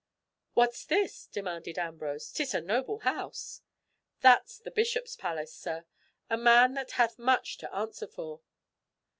"What's this?" demanded Ambrose. "'Tis a noble house." "That's the Bishop's palace, sir—a man that hath much to answer for."